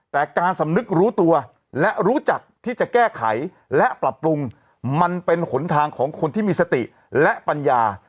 แต่การสำนึกรู้ตัวและรู้จักที่จะแก้ไขและปรับปรุงมันเป็นหนทางของคนที่มีสติและปัญญา